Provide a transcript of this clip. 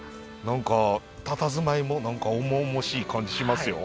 何かたたずまいも重々しい感じしますよ。